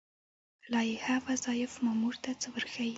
لایحه وظایف مامور ته څه ورښيي؟